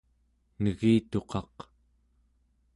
negituqaq